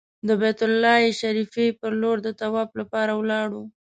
د بیت الله شریفې پر لور د طواف لپاره ولاړو.